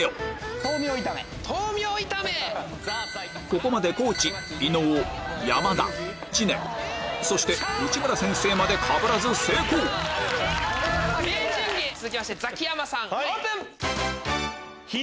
ここまで地伊野尾山田知念そして内村先生までかぶらず成功続きましてザキヤマさんオープン。